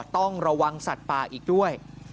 ต้องระวังสัตว์ป่าอีกด้วย